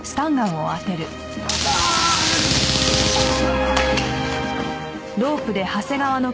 ああっ！